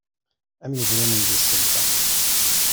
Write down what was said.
Am idrimen di sselfa.